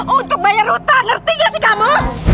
untuk bayar utang ngerti gak sih kamu